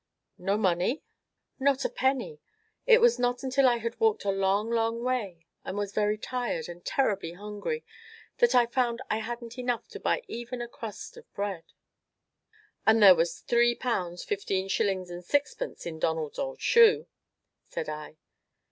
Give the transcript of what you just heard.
"No money?" "Not a penny. It was not until I had walked a long, long way, and was very tired, and terribly hungry, that I found I hadn't enough to buy even a crust of bread." "And there was three pounds, fifteen shillings, and sixpence in Donald's old shoe," said I.